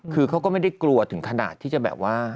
คือเขาก็ไม่ได้กลัวถึงขนาดที่จะแบบว่า